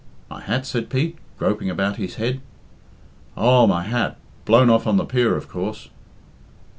"My hat?" said Pete, groping about his head. "Oh, my hat? Blown off on the pier, of coorse."